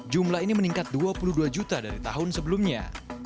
jumlah ini meningkat dua puluh dua juta dari tahun sebelumnya